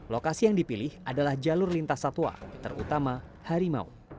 lokasi yang dipilih adalah jalur lintas satwa terutama harimau